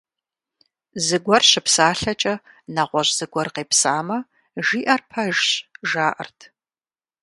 Зыгуэр щыпсалъэкӏэ нэгъуэщӀ зыгуэр къепсамэ, жиӀэр пэжщ, жаӀэрт.